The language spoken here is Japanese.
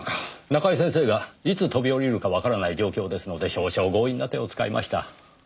中井先生がいつ飛び降りるかわからない状況ですので少々強引な手を使いました。